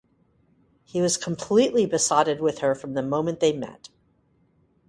He was completely besotted with her from the moment they met.